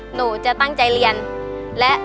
หนูรู้สึกดีมากเลยค่ะ